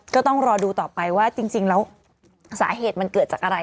ก็ต้องรอดูต่อไปว่าจริงแล้วสาเหตุมันเกิดจากอะไร